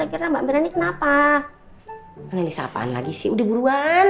tapi ketentingan dari istri kita